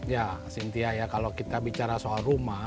ya sintia ya kalau kita bicara soal rumah